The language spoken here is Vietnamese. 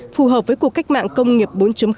phù hợp với cuộc cách mạng công nghiệp bốn